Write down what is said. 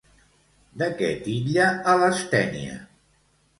De què titlla a Lastènia?